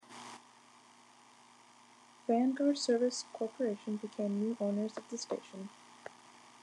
Vanguard Service Corporation became new owners of the station.